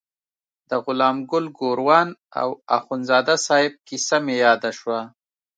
د غلام ګل ګوروان او اخندزاده صاحب کیسه مې یاده شوه.